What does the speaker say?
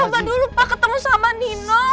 aku mau coba dulu pak ketemu sama nino